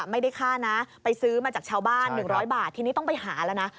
ไม่ได้ค่านะไปซื้อมาจากชาวบ้าน๑๐๐บาททีนี้ต้องไปหาแล้วนะ